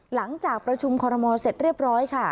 หลังจากประชุมคอรมอลเสร็จเรียบร้อยค่ะ